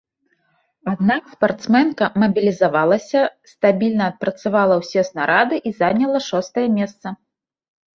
Аднак спартсменка мабілізавалася, стабільна адпрацавала ўсе снарады і заняла шостае месца.